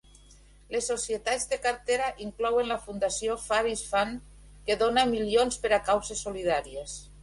Les societats de cartera inclouen la fundació Farish Fund, que dona milions per a causes solidàries.